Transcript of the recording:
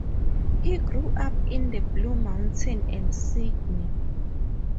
He grew up in the Blue Mountains and in Sydney.